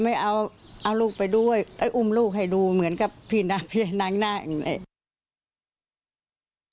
จ้าทำให้เอาลูกไปด้วยเอาอุ้มลูกให้ดูเหมือนกับพี่น้าพี่น้างอย่างนั้น